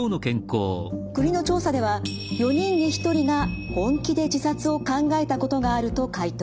国の調査では４人に１人が本気で自殺を考えたことがあると回答。